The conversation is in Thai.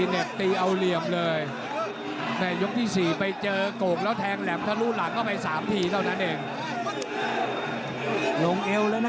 ในยกที่๔ไปเจอกกแล้วแทงแหลมก้ารู้หลังเข้าไป๓ทีเท่านั้นเอง